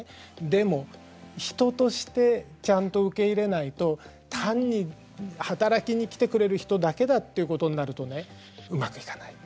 でも人としてちゃんと受け入れないと単に働きに来てくれる人だけだっていうことになるとねうまくいかない。